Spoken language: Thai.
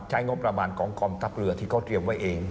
ใช้งบประมาณของกองทัพเรือที่เขาเตรียมไว้เอง